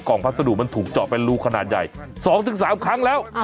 กล่องพัสดุมันถูกเจาะเป็นรูขนาดใหญ่สองถึงสามครั้งแล้วอ่ะ